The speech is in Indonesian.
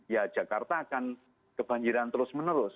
ya jakarta akan kebanjiran terus menerus